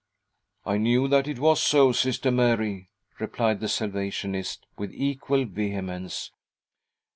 I knew that it was so, Sister Mary," replied the Salvationist, with equal vehemence.